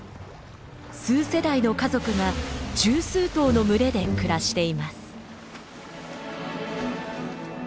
数世代の家族が十数頭の群れで暮らしています。